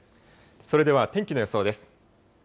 それでは天気の予想です。